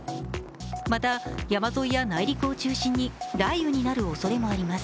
また、山沿いや内陸を中心に雷雨になるおそれもあります。